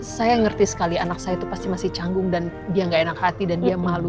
saya ngerti sekali anak saya itu pasti masih canggung dan dia gak enak hati dan dia malu